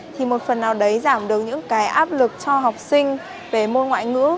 thì một phần nào đấy giảm được những cái áp lực cho học sinh về môn ngoại ngữ